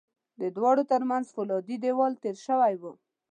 د دواړو ترمنځ پولادي دېوال تېر شوی و